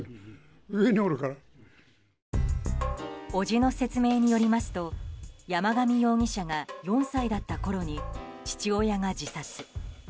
伯父の説明によりますと山上容疑者が４歳だったころに父親が自殺。